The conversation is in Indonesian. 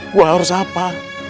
gua harus apa